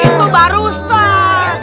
itu baru ustaz